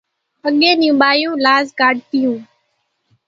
اڳيَ نيون ٻايوُن لاز ڪاڍتِيون۔